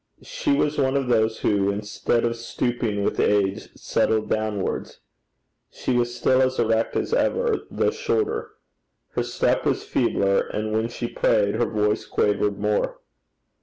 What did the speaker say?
She was one of those who instead of stooping with age, settle downwards: she was still as erect as ever, though shorter. Her step was feebler, and when she prayed, her voice quavered more.